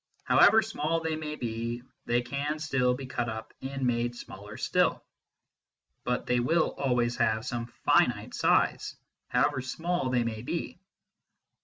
However small they may be, they can still be cut up and made smaller still. But they will always have some finite size, however small they may be.